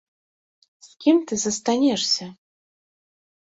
З кім ты застанешся?